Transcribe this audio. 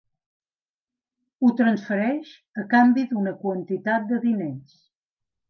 Ho transfereix a canvi d'una quantitat de diners.